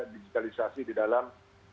digitalisasi di dalam